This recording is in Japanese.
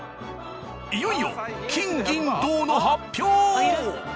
いよいよ金銀銅の発表